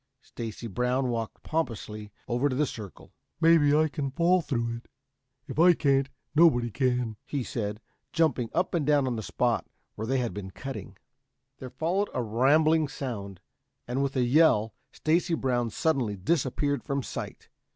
Stacy Brown walked pompously over to the circle. "Maybe I can fall through it. If I can't, nobody can," he said, jumping up and down on the spot where they had been cutting. There followed a rambling sound, and with a yell, Stacy Brown suddenly disappeared from sight.